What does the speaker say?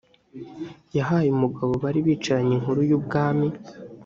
yahaye umugabo bari bicaranye inkuru y ubwami